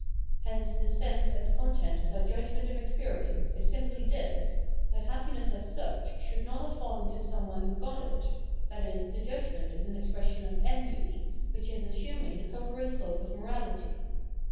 Hence the sense and content of that judgment of experience is simply this, that 634 Phenomenology of Mind happiness as such should not have fallen to some who got it, i.e. the judgment is an expression of envy, which is assuming the covering cloak of morality.